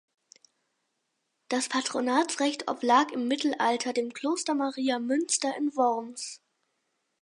Das Patronatsrecht oblag im Mittelalter dem Kloster Maria Münster in Worms.